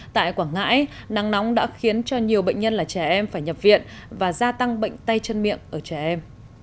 tại quảng ngãi nắng nóng đã khiến cho nhiều bệnh nhân là trẻ em phải nhập viện và gia tăng bệnh tay chân miệng ở trẻ em